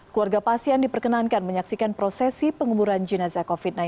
keluarga pasien diperkenankan menyaksikan prosesi pengumuran jenazah covid sembilan belas